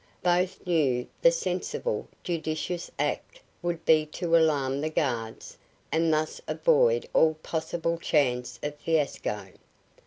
Both knew the sensible, judicious act would be to alarm the guards and thus avoid all possible chance of a fiasco.